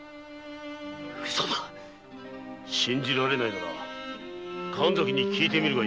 嘘だ信じられないなら神崎に聞いてみるがいい。